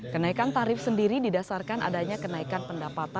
kenaikan tarif sendiri didasarkan adanya kenaikan pendapatan